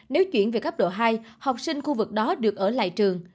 nếu chuyển về cấp độ hai học sinh khu vực đó được ở lại trường